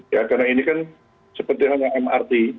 ya karena ini kan seperti halnya mrt